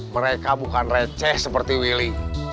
mereka bukan receh seperti willy